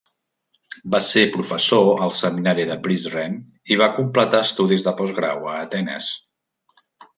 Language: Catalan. Va ser professor al seminari de Prizren, i va completar estudis de postgrau a Atenes.